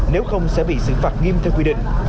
nếu không sẽ bị xử phạt nghiêm theo quy định